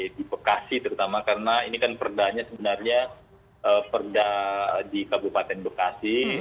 di bekasi terutama karena ini kan perdanya sebenarnya perda di kabupaten bekasi